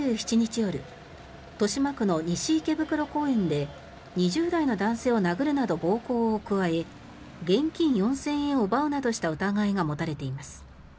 夜豊島区の西池袋公園で２０代の男性を殴るなど暴行を加え現金４０００円を奪うなどした疑いが持たれています。